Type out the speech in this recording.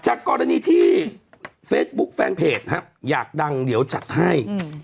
กรณีที่เฟซบุ๊คแฟนเพจอยากดังเดี๋ยวจัดให้